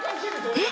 えっ！？